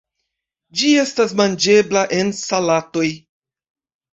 Ĝi estas manĝebla en salatoj.